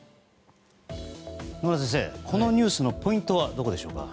野村先生、このニュースのポイントはどこでしょうか？